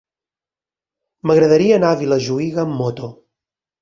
M'agradaria anar a Vilajuïga amb moto.